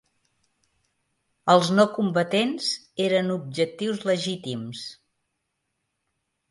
Els no combatents eren objectius legítims.